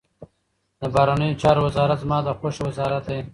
د بهرنیو چارو وزارت زما د خوښي وزارت دی.